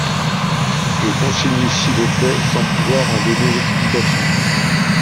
Je consigne ici le fait sans pouvoir en donner l’explication.